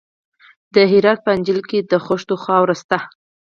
د هرات په انجیل کې د خښتو خاوره شته.